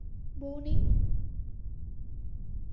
বউ নেই?